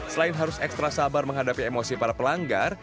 selain harus ekstra sabar menghadapi emosi para pelanggar